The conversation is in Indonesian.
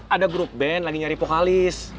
ada grup band lagi nyari pohalis